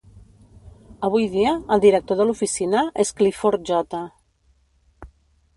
Avui dia, el director de l'oficina és Clifford J.